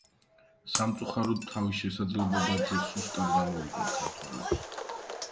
სამწუხაროდ თავის შესაძლებლობებზე სუსტად გამოვიდნენ ქართველები.